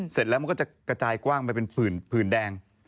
เสร็จแล้วมันก็จะกระจายกว้างไปเป็นผื่นแดง